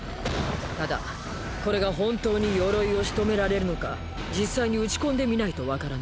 ただこれが本当に鎧を仕留められるのか実際に撃ち込んでみないとわからない。